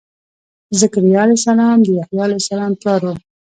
ذکریا علیه السلام د یحیا علیه السلام پلار و.